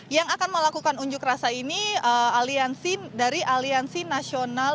yang akan melakukan unjuk rasa ini dari aliansi nasional